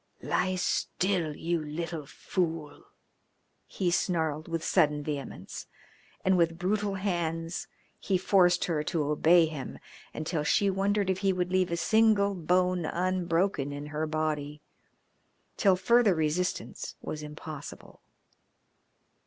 "Lie still, you little fool!" he snarled with sudden vehemence, and with brutal hands he forced her to obey him, until she wondered if he would leave a single bone unbroken in her body, till further resistance was impossible.